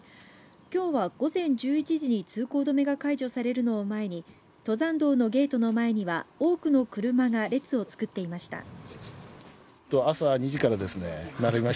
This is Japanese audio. きょうは午前１１時に通行止めが解除されるのを前に登山道のゲートの前には多くの車が列を作っていました。